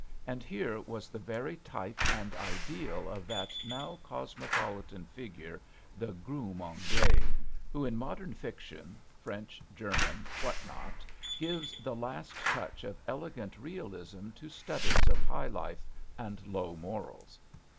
And here was the very type and ideal of that now cosmopolitan figure, the "groom anglais," who in modern fiction, French, German, what not, gives the last touch of elegant realism to studies of high life and low morals.